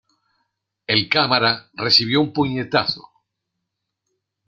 El cámara recibió un puñetazo.